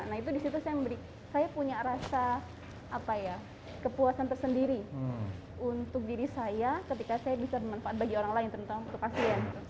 nah itu disitu saya memberi saya punya rasa kepuasan tersendiri untuk diri saya ketika saya bisa bermanfaat bagi orang lain terutama untuk pasien